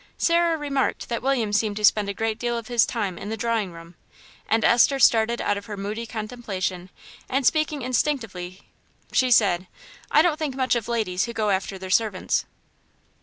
Sarah remarked that William seemed to spend a great deal of his time in the drawing room, and Esther started out of her moody contemplation, and, speaking instinctively, she said, "I don't think much of ladies who go after their servants."